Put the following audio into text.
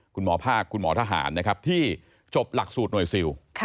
คุณหมอภาคคุณหมอทหารนะครับที่จบหลักสูตรหน่วยซิล